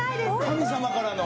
神様からの？